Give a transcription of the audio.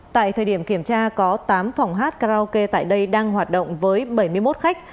tại thời điểm kiểm tra có tám phòng hát karaoke tại đây đang hoạt động với bảy mươi một khách